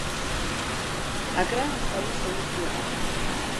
Акраамҭа аус ауртә иҟан.